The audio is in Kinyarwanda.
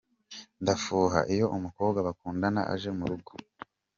Ndafuha iyo umukobwa bakundana aje mu rugo.